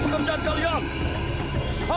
perempuan seperti anda